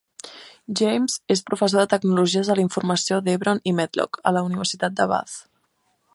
James és professor de tecnologies de la informació d'Hebron i Medlock, a la Universitat de Bath.